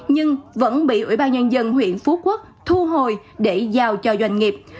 nhưng vẫn bị ủy ban nhân dân huyện phú quốc thu hồi để giao cho doanh nghiệp